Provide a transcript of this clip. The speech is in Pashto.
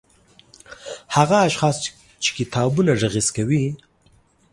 هغه اشخاص چې کتابونه غږيز کوي